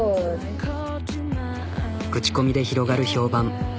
口コミで広がる評判。